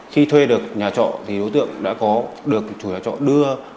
khi thuê được nhà trọ thì đối tượng đã có được chủ nhà trọ đưa